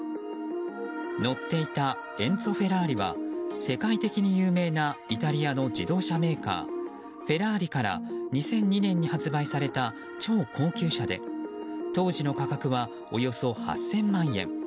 乗っていたエンツォ・フェラーリは世界的に有名なイタリアの自動車メーカーフェラーリから２００２年に発売された超高級車で当時の価格はおよそ８０００万円。